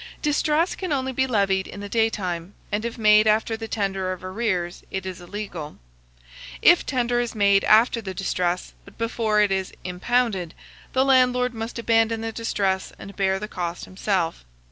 Distress can only be levied in the daytime, and if made after the tender of arrears, it is illegal. If tender is made after the distress, but before it is impounded, the landlord must abandon the distress and bear the cost himself.